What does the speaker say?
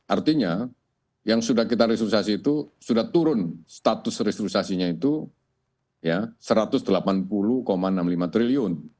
artinya yang sudah kita restrukturisasi itu sudah turun status restruksasinya itu rp satu ratus delapan puluh enam puluh lima triliun